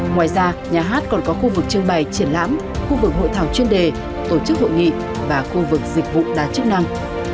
ngoài ra nhà hát còn có khu vực trưng bày triển lãm khu vực hội thảo chuyên đề tổ chức hội nghị và khu vực dịch vụ đa chức năng